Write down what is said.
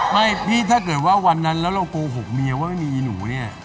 พี่ถ้าเกิดว่าวันนั้นแล้วเราโกหกเมียว่าไม่มีอีหนูเนี่ย